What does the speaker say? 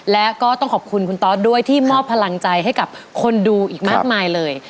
และก็ต้องขอบคุณคุณตอสด้วยที่มอบพลังใจให้กับคนดูอีกมากมายเลย